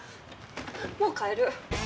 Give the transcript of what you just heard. もう帰る。